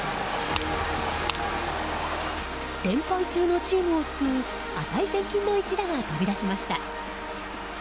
連敗中のチームを救う値千金の一打が飛び出しました。